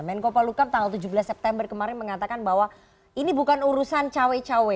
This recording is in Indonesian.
menko palukam tanggal tujuh belas september kemarin mengatakan bahwa ini bukan urusan cawe cawe